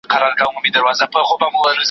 چي په ژوند یې ارمان وخېژي نو مړه سي